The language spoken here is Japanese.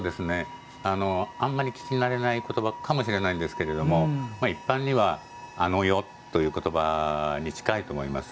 あんまり聞きなれないことばかもしれないんですけど一般には、あの世ということばに近いと思います。